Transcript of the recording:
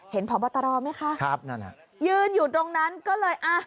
เห็นผอบตรไหมคะอยู่อยู่ตรงนั้นก็เลยอ่ะ